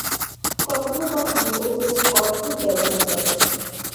কখনো কখনো ও খুব অদ্ভুত ব্যবহার করে।